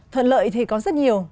thuận lợi thì có rất nhiều